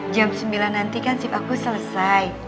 jam sembilan nanti kan sif aku selesai